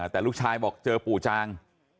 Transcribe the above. แต่ลูกชายบอกเจอปู่จาง